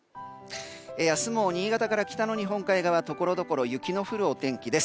明日も新潟から北の日本海側はところどころ雪の降るお天気です。